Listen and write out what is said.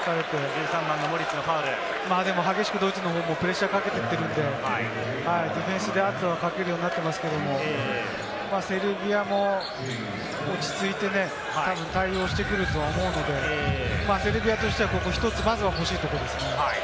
激しくドイツもプレッシャーかけてるので、ディフェンスであとは勝てるようになってますけれども、セルビアも落ち着いてね、対応してくるとは思うので、セルビアとしては、ここ一つ、まずは欲しいところですね。